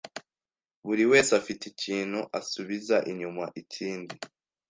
buriwese afite ikintu asubiza inyuma ikindi